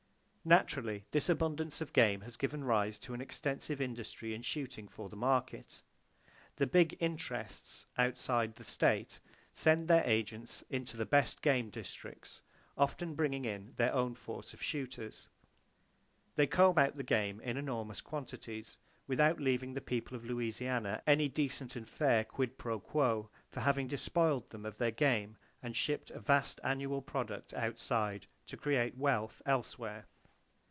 Naturally, this abundance of game has given rise to an extensive industry in shooting for the market. The "big interests" outside the state send their agents into the best game districts, often bringing in their own force of shooters. They comb out the game in enormous quantities, without leaving to the people of Louisiana any decent and fair quid pro quo for having despoiled them of their game and shipped a vast annual product outside, to create wealth elsewhere.